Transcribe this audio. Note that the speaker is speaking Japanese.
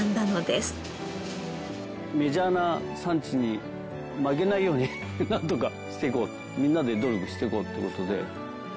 メジャーな産地に負けないようになんとかしていこうとみんなで努力していこうという事で。